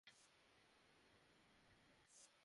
তারা বাহিরে রেস্টুরেন্টে পর্যন্ত যায় না।